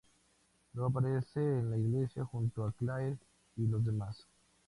Luego aparece en la iglesia junto a Claire y los demás.